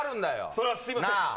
それはすいません